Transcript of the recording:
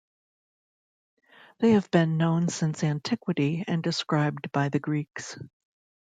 They have been known since antiquity, and described by the Greeks.